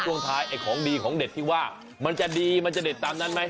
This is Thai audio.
ส่วนท้ายแอ่ของดีของเด็ดมันจะดีมันจะเด็ดตามนั้นไหม